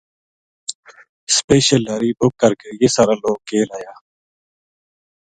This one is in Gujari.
سپیشل لاری بُک کر کے سارا لوک کیل آیا